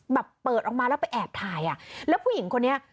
แบบเปิดออกมาแล้วไปแอบถ่ายอ่ะแล้วผู้หญิงคนนี้